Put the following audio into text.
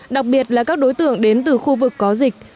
đặc biệt là các đối tượng đến từ khu vực có dịch